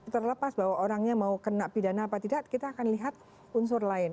terlepas bahwa orangnya mau kena pidana apa tidak kita akan lihat unsur lain